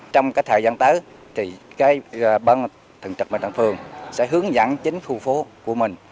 trong cái thời gian tới thì cái băng thần trật bằng đảng phường sẽ hướng dẫn chính khu phố của mình